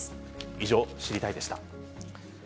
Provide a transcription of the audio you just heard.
以上、知りたいッ！でした。